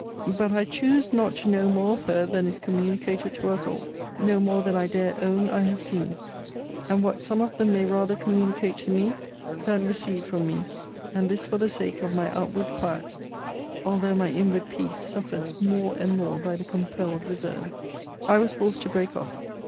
But I choose not to know more of her than is communicated to us all no more than I dare own I have seen and what some of them may rather communicate to me, than receive from me: and this for the sake of my outward quiet: although my inward peace suffers more and more by the compelled reserve. I was forced to break off.